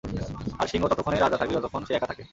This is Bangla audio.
আর সিংহ ততক্ষনেই রাজা থাকে যতক্ষন পর্যন্ত সে একা তাকে।